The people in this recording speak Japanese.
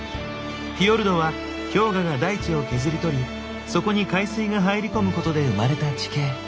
フィヨルドは氷河が大地を削り取りそこに海水が入り込むことで生まれた地形。